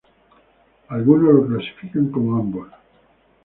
Algunos lo clasifican como ambos.